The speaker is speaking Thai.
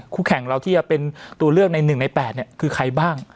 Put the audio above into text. แข่งเราที่จะเป็นตัวเลือกใน๑ใน๘คือใครบ้าง